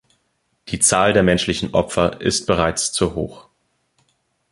Die Zahl der menschlichen Opfer ist bereits zu hoch.